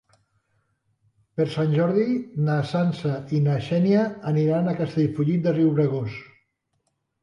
Per Sant Jordi na Sança i na Xènia aniran a Castellfollit de Riubregós.